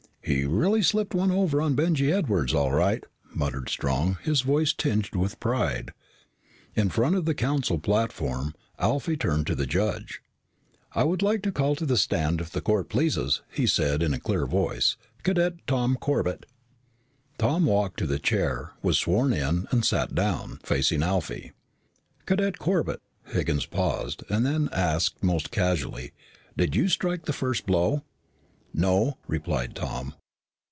"He really slipped one over on Benjy Edwards all right," muttered Strong, his voice tinged with pride. In front of the Council platform, Alfie turned to the judge. "I would like to call to the stand, if the court please," he said in a clear voice, "Cadet Tom Corbett." Tom walked to the chair, was sworn in, and sat down, facing Alfie. "Cadet Corbett," Higgins paused, and then asked almost casually, "did you strike the first blow?" "No," replied Tom.